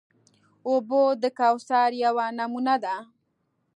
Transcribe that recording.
اوبه د کوثر یوه نمونه ده.